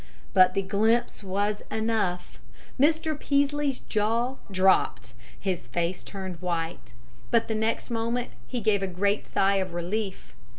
But the glimpse was enough. Mr. Peaslee's jaw dropped, his face turned white. But the next moment he gave a great sigh of relief.